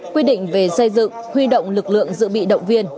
quy định về xây dựng huy động lực lượng dự bị động viên